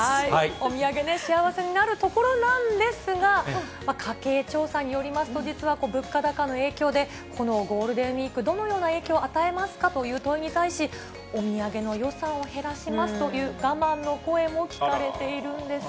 お土産で幸せになるところなんですが、家計調査によりますと、実は物価高の影響で、このゴールデンウィーク、どのような影響を与えますかという問いに対し、お土産の予算を減らしますという我慢の声も聞かれているんです。